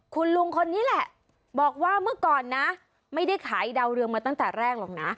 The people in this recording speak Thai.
คุณลุงคนนี้แหละบอกว่าเมื่อก่อนนะไม่ได้ขายดาวเรืองมาตั้งแต่แรกหรอกนะ